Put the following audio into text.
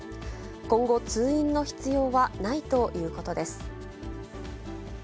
今後、通院の必要はないということです。